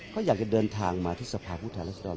เขาอยากจะเดินทางมาทีสภาพวุฒิภุทธิรัชนาโฌน